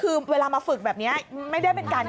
แถมมีสรุปอีกต่างหาก